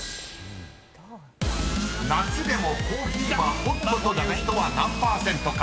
［夏でもコーヒーはホットという人は何％か］